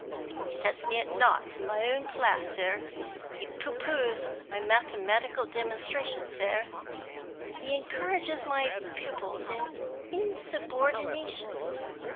He sets me at naught in my own class, sir; he pooh poohs my mathematical demonstrations, sir; he encourages my pupils in insubordination!